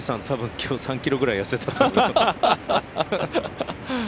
今日、３ｋｇくらい痩せたと思いますよ。